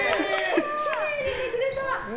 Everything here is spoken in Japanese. きれいにめくれた。